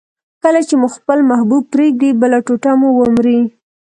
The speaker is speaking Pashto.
کله چي مو خپل محبوب پرېږدي، بله ټوټه مو ومري.